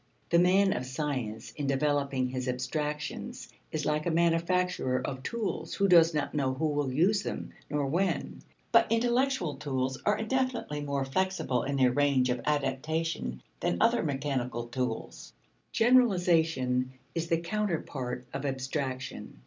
The man of science in developing his abstractions is like a manufacturer of tools who does not know who will use them nor when. But intellectual tools are indefinitely more flexible in their range of adaptation than other mechanical tools. Generalization is the counterpart of abstraction.